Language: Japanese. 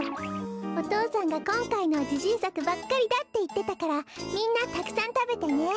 お父さんがこんかいのはじしんさくばっかりだっていってたからみんなたくさんたべてね！